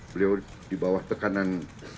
beliau dibawah tekanan